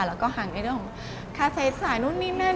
แล้วก็ห่างในเรื่องของค่าใช้จ่ายนู่นนี่นั่น